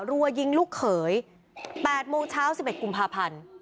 รัวยิงลูกเขยแปดโมงเช้าสิบเอ็ดกุมภาพันธ์